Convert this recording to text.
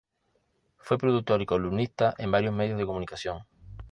Fue productor y columnista en varios medios de comunicación.